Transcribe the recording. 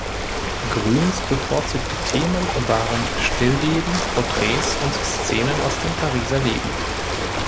Grüns bevorzugte Themen waren Stillleben, Porträts und Szenen aus dem Pariser Leben.